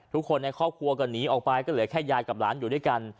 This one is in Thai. ทุกคนในครอบครัวก็หนีออกไปก็เหลือแค่ยายกับหลานอยู่ด้วยกัน